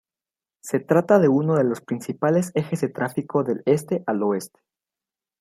Se trata de uno de los principales ejes de tráfico del este al oeste.